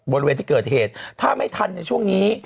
บริเวณที่เกิดเหตุถ้าไม่ทันในช่วงนี้